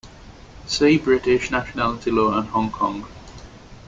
See British nationality law and Hong Kong.